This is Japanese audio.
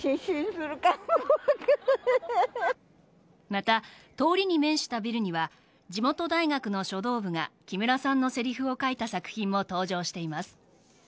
また、通りに面したビルには地元大学の書道部が木村さんのせりふを書いた作品も登場しています。